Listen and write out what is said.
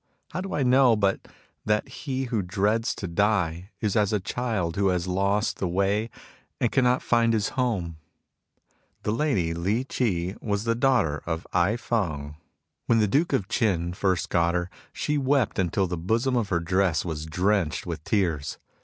How do I know but that he who dreads to die is as a child who has lost the way and cannot find his home ? The lady Li Chi was the daughter of Ai FSng. When the Duke of Chin first got her, she wept until the bosom of her dress was drenched with tears.